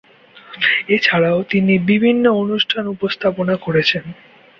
এছাড়াও, তিনি বিভিন্ন অনুষ্ঠান উপস্থাপনা করেছেন।